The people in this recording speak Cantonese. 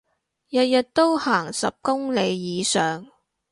日日都行十公里以上